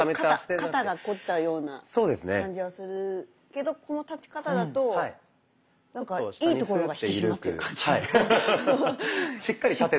肩が凝っちゃうような感じはするけどこの立ち方だとなんかいいところが引き締まってる感じが。